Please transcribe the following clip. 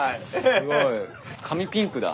すごい髪ピンクだ。